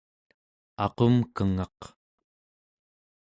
aqumkengaq